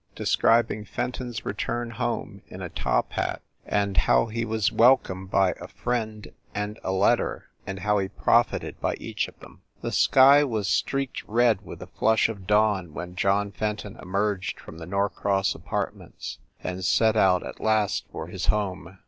XII A HARLEM LODGING HOUSE AND HOW HE WAS WELCOMED BY A FRIEND AND A LETTER, AND HOW HE PROFITED BY EACH OF THEM THE sky was streaked red with the flush of dawn when John Fenton emerged from the Norcross Apartments and set out at last for his home.